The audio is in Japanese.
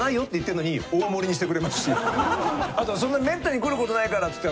あとはそんなにめったに来ることないからつって。